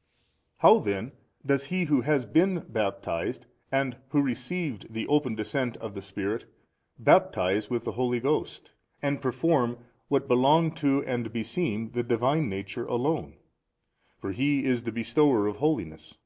A. How then does He Who has been baptized and Who received the open Descent of the Spirit, baptize with the Holy Ghost and perform what belong to and beseem the Divine Nature alone? for He is the Bestower of holiness.